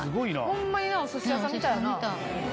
ホンマになお寿司屋さんみたいやな。